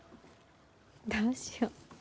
どうしよう。